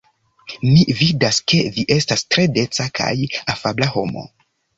Mi vidas ke vi estas tre deca kaj afabla homo.